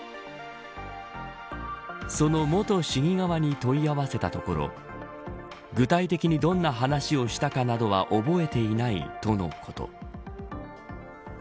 その元市議側に問い合わせたところ具体的にどんな話をしたかなどは覚えていないとのこと。